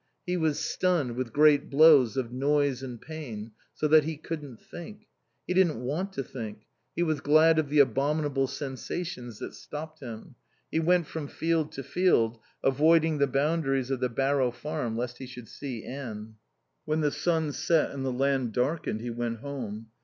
He was stunned with great blows of noise and pain, so that he couldn't think. He didn't want to think; he was glad of the abominable sensations that stopped him. He went from field to field, avoiding the boundaries of the Barrow Farm lest he should see Anne. When the sun set and the land darkened he went home.